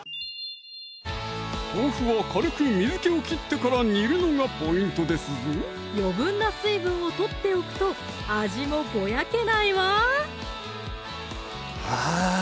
豆腐は軽く水気をきってから煮るのがポイントですぞ余分な水分を取っておくと味もぼやけないわあぁ